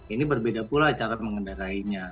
ini berbeda pula cara mengendarainya